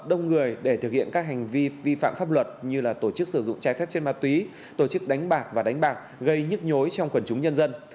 đông người để thực hiện các hành vi vi phạm pháp luật như là tổ chức sử dụng trái phép trên ma túy tổ chức đánh bạc và đánh bạc gây nhức nhối trong quần chúng nhân dân